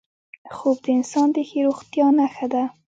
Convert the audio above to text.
خوب د انسان د ښې روغتیا نښه ده